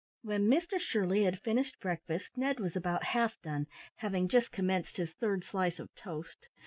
When Mr Shirley had finished breakfast, Ned was about half done, having just commenced his third slice of toast.